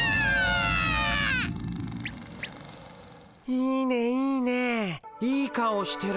いいねいいねいい顔してる。